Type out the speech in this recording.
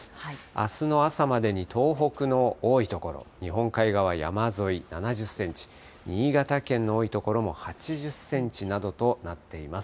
あすの朝までに東北の多い所、日本海側、山沿い７０センチ、新潟県の多い所も８０センチなどとなっています。